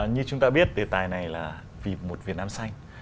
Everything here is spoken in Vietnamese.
như chúng ta biết đề tài này là vì một việt nam xanh